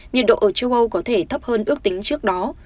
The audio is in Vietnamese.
nhiệt độ ở châu âu có thể thấp hơn ước tính trước đó